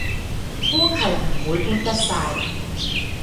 搬係唔會搬得晒